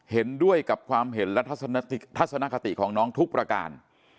เห็นด้วยกับความเห็นและทัศนคติของน้องทุกประการ